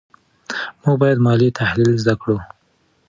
موږ باید مالي تحلیل زده کړو.